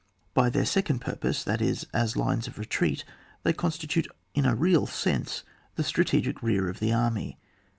By their second purpose, that is as lines of retreat, they constitute in a real sense the strategic rear of the army.